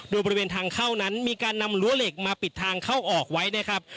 โดยบริเวณทางเข้านั้นมีการนำรั้วเหล็กมาปิดทางเข้าออกไว้นะครับ